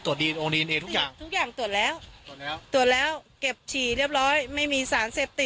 ของอนที่ว่าพ่อแท้ไงอยู่ของเด็กหรอ